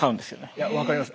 いや分かります